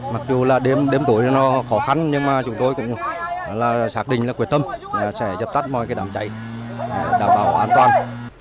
mặc dù là đêm tối nó khó khăn nhưng mà chúng tôi cũng xác định là quyết tâm sẽ dập tắt mọi cái đám cháy đảm bảo an toàn